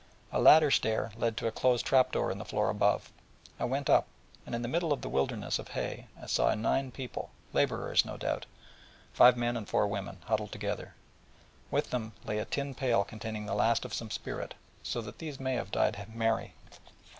A ladder stair led to a closed trap door in the floor above. I went up, and in the middle of a wilderness of hay saw nine people labourers, no doubt five men and four women, huddled together, and with them a tin pail containing the last of some spirit; so that these had died merry.